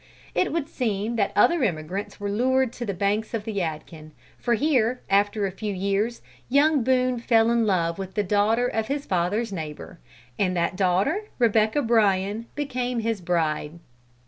It would seem that other emigrants were lured to the banks of the Yadkin, for here, after a few years, young Boone fell in love with the daughter of his father's neighbor, and that daughter, Rebecca Bryan, became his bride.